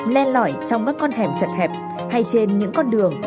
len lỏi trong các con hẻm chật hẹp hay trên những con đường